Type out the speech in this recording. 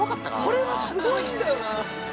これはすごいんだよな。